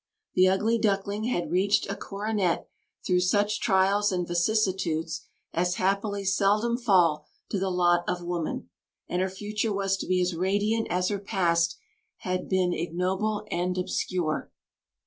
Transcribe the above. The "ugly duckling" had reached a coronet through such trials and vicissitudes as happily seldom fall to the lot of woman; and her future was to be as radiant as her past had been ignoble and obscure.